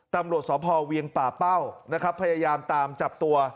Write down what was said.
ตำรวจสพเวียงป่าเป้านะครับพยายามตามจับตัว